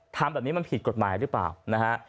ทำแบบนี้มันผิดกฎหมายหรือเปล่านะฮะ